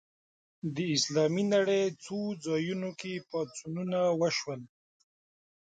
د اسلامي نړۍ څو ځایونو کې پاڅونونه وشول